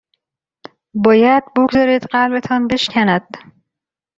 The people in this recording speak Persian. باید بگذارید قلبتان بشکند